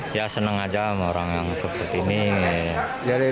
saya senang saja dengan orang yang seperti ini